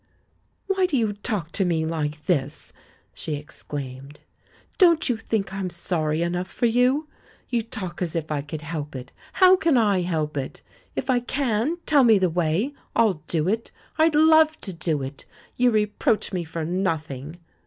"Why do you talk to me hke this?" she ex claimed. "Don't you think I'm sorry enough for you? You talk as if I could help it; how can THE LAURELS AND THE LADY 135 I help it? If I can, tell me the way! I'll do it. I'd love to do it! You reproach me for noth • I" mg!